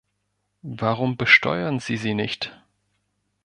Warum besteuern Sie sie nicht?